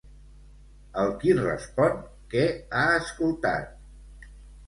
El qui respon, què ha escoltat?